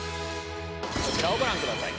こちらをご覧ください。